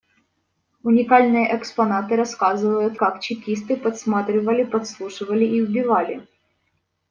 Уникальные экспонаты рассказывают, как чекисты подсматривали, подслушивали и убивали.